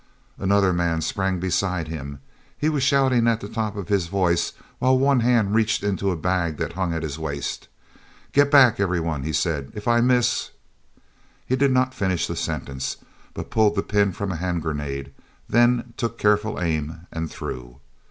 Another man sprang beside him. He was shouting at the top of his voice while one hand reached into a bag that hung at his waist. "Get back, everyone," he said. "If I miss...." He did not finish the sentence, but pulled the pin from a hand grenade, then took careful aim and threw.